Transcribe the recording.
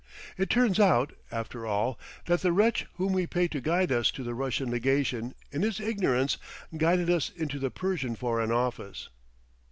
It turns out, after all, that the wretch whom we paid to guide us to the Russian Legation, in his ignorance guided us into the Persian Foreign Office.